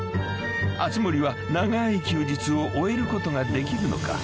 ［熱護は長い休日を終えることができるのか？］